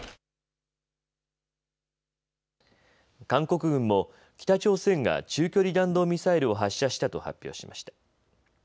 韓国軍も北朝鮮が中距離弾道ミサイルを発射したと発表しました。